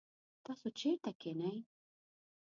تاسو چیرته کښېنئ؟